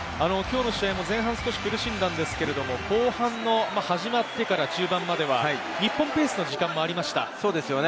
前半、少し苦しんだんですが、後半、始まってから中盤までは、日本ペースの時間もありました。